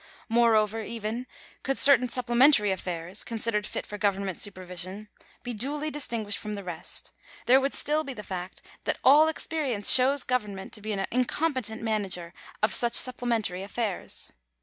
Moreover, even could certain supplementary affairs, considered fit for government supervision, be duly distinguished from the rest, there would still be the fact that all experience shows govern ment to be an incompetent manager of such supplementary affaire.